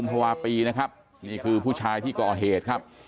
ภาวะปีนะครับนี่คือผู้ชายที่ก่อเหตุครับ